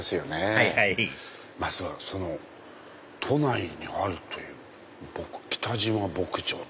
はいはいまずは都内にあるという北島牧場。